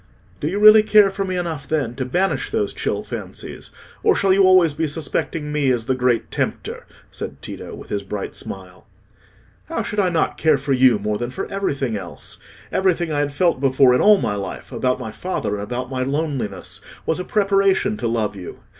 "Do you really care for me enough, then, to banish those chill fancies, or shall you always be suspecting me as the Great Tempter?" said Tito, with his bright smile. "How should I not care for you more than for everything else? Everything I had felt before in all my life—about my father, and about my loneliness—was a preparation to love you.